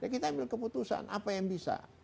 kita ambil keputusan apa yang bisa